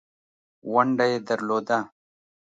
ونډه یې درلوده.